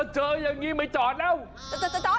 เจอยังงี้ไม่จอดแล้ว